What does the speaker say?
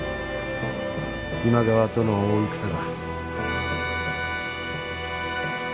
今川との大戦が。